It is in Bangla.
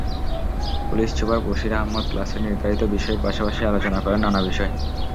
পুলিশ সুপার বশির আহম্মদ ক্লাসের নির্ধারিত বিষয়ের পাশাপাশি আলোচনা করেন নানা বিষয়।